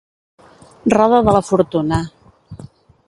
Roda de la fortuna.